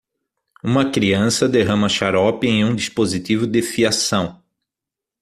Uma criança derrama xarope em um dispositivo de fiação